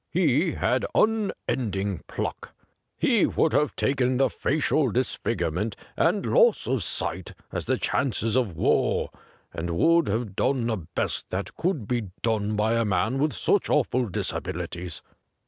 He had un ending pluck. He would have taken the facial disfigurement and loss of sight as the chances of war, and would have done the best that could be done by a man with such awful disabilities.